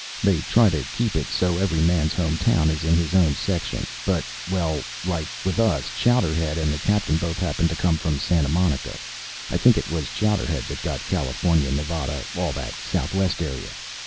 They try to keep it so every man's home town is in his own section, but well, like with us, Chowderhead and the captain both happened to come from Santa Monica. I think it was Chowderhead that got California, Nevada, all that Southwest area.